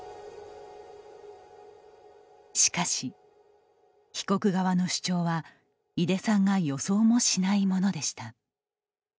しかし、被告側の主張は井出さんが予想もしないものでした。